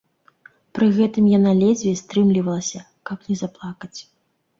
Пры гэтым яна ледзьве стрымлівалася, каб не заплакаць.